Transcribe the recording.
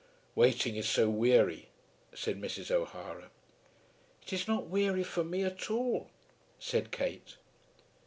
"Waiting is so weary," said Mrs. O'Hara. "It is not weary for me at all," said Kate.